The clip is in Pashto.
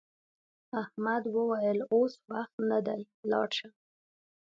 احمد وویل اوس وخت نه دی لاړ شه.